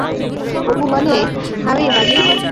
অপু বলে, হাউই বাজি।